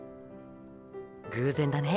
偶然だね。